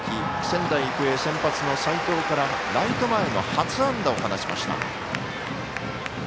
仙台育英、先発の斎藤蓉からライト前の初安打を放ちました。